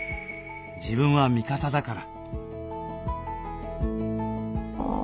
自分は味方だから」。